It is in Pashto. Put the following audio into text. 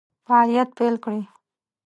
فعالیت پیل کړي.